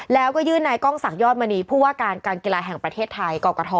แล้วก็ยื่นนายกล้องศักดิยอดมณีผู้ว่าการการกีฬาแห่งประเทศไทยกรกฐ